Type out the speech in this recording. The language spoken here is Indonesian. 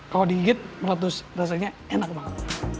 kalau diigit meratus rasanya enak banget